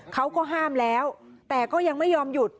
เขาก็ห้ามแล้วแต่ก็ยังไม่ยอมหยุด